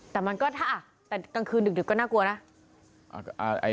แต่มันก็ถ้าแต่กลางคืนดึกก็น่ากลัวนะ